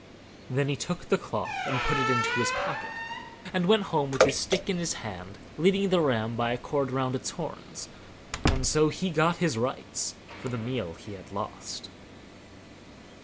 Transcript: Then he took the cloth and put it into his pocket, and went home with his stick in his hand, leading the ram by a cord round its horns; and so he got his rights for the meal he had lost.